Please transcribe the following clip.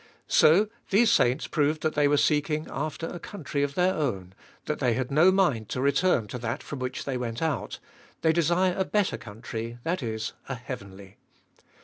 So these saints proved that they were seeking after a country of their own, that they had no mind to return to that from which they went out, they desire a better country, that is, a heavenly.